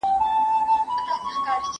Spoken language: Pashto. کمپيوټر مرسته رسوي.